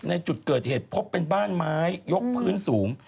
ในจุดเกิดเหตุพบเป็นบ้านไม้ยกพื้นสูง